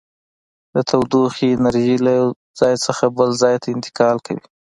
د تودوخې انرژي له یو ځای څخه بل ځای ته انتقال کوي.